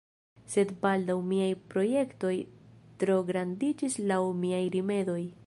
Sed baldaŭ miaj projektoj trograndiĝis laŭ miaj rimedoj.